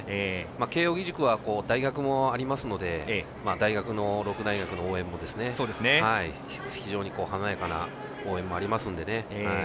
慶応義塾は大学もありますので大学の六大学の応援も非常に華やかな応援もありますのでね。